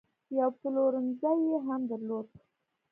یو پلورنځی یې هم درلود.